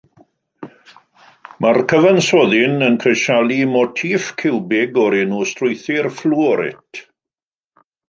Mae'r cyfansoddyn yn crisialu motiff ciwbig o'r enw strwythur fflworit.